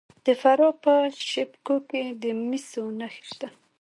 د فراه په شیب کوه کې د مسو نښې شته.